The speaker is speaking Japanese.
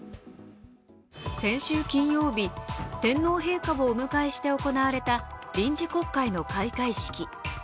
先週金曜日、天皇陛下をお迎えして行われた臨時国会の開会式。